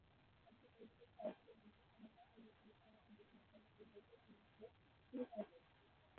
একটি বৈদ্যুতিক সার্কিটের ডিসি সমাধান হল সেই সমাধান যেখানে সমস্ত ভোল্টেজ এবং স্রোত স্থির থাকে।